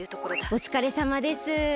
おつかれさまです。